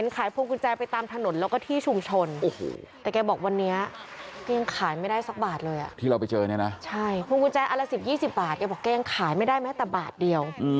แกบอกแกยังขายไม่ได้แม้แต่บาทเดียว